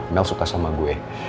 mel suka sama gue